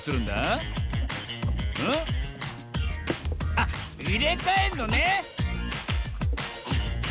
あっいれかえんのね！